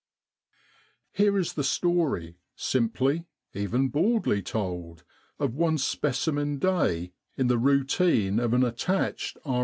Here is the story, simply even baldly told, of one specimen day in the routine of an attached R.